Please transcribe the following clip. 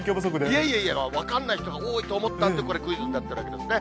いえいえいえ、分かんない人が多いと思ったんで、これ、クイズになったんですね。